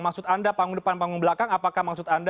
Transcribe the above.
maksud anda panggung depan panggung belakang apakah maksud anda